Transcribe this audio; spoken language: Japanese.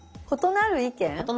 「○なる意見」。